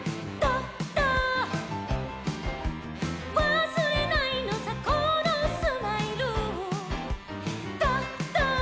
「わすれないのさこのスマイル」「ドド」